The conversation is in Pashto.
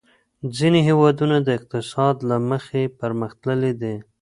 ځینې هېوادونه د اقتصاد له مخې پرمختللي دي.